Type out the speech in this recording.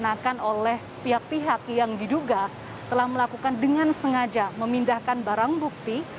yang digunakan oleh pihak pihak yang diduga telah melakukan dengan sengaja memindahkan barang bukti